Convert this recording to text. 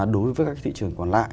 đối với các thị trường còn lại